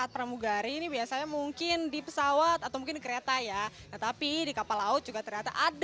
pramugari di kapal laut